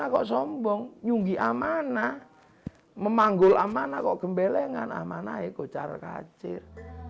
mata kok sombong nyunggi amana memanggul amana kok gembelengan amanah itu cara kacir